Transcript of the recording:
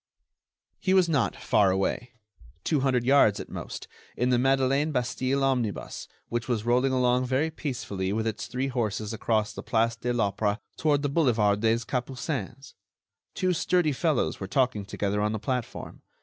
He was not far away—two hundred yards at most—in the Madeleine Bastille omnibus, which was rolling along very peacefully with its three horses across the Place de l'Opéra toward the Boulevard des Capucines. Two sturdy fellows were talking together on the platform.